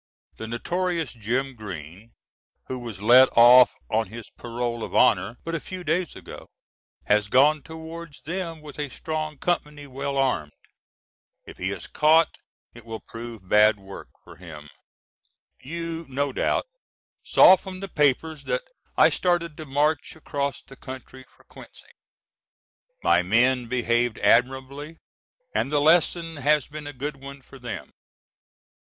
The notorious Jim Green who was let off on his parole of honor but a few days ago, has gone towards them with a strong company well armed. If he is caught it will prove bad work for him. You no doubt saw from the papers that I started to march across the country for Quincy. My men behaved admirably, and the lesson has been a good one for them.